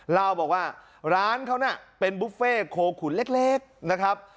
เล่าบอกว่าร้านเขาน่ะเป็นบุฟเฟ่โคขุนเล็กนะครับ